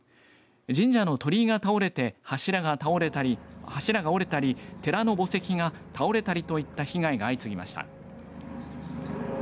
神社の鳥居が倒れて柱が折れたり寺の墓石が倒れたりといった被害が相次ぎました。